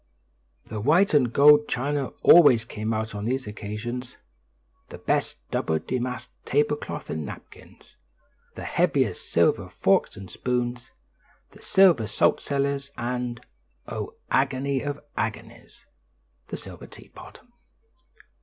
The white and gold china always came out on these occasions, the best double damask tablecloth and napkins, the heaviest silver forks and spoons, the silver salt cellars, and oh, agony of agonies! the silver teapot!